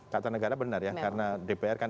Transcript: tata negara benar ya karena dpr kan